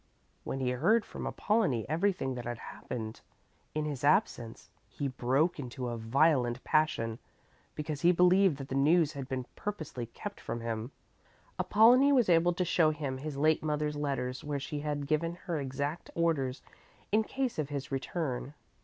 When he heard from Apollonie everything that had happened in his absence, he broke into a violent passion, because he believed that the news had been purposely kept from him. Apollonie was able to show him his late mother's letters where she had given her exact orders in case of his return.